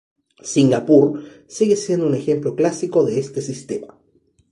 Singapur, sigue siendo un ejemplo clásico de este sistema.